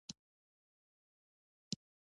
زما زوى په مکتب کښي اول نؤمره سو.